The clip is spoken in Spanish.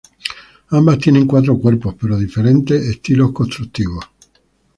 Ambas tienen cuatro cuerpos, pero diferentes estilos constructivos.